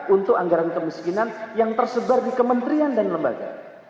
untuk anggaran kemiskinan yang tersebar di kementerian dan lembaga